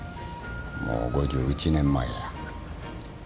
もう５１年前や。